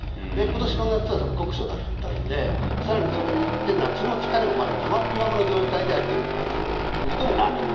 今年の夏は酷暑だったので更にそれによって夏の疲れもまだ、たまったままの状態で秋を迎えているという人も多いと。